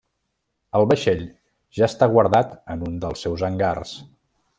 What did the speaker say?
El vaixell ja està guardat en un dels seus hangars.